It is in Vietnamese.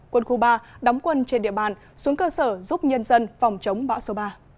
quân khu ba đóng quân trên địa bàn xuống cơ sở giúp nhân dân phòng chống bão số ba